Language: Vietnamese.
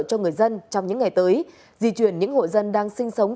cho người dân trong những ngày tới di chuyển những hộ dân đang sinh sống